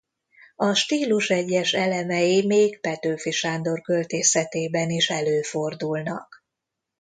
A stílus egyes elemei még Petőfi Sándor költészetében is előfordulnak.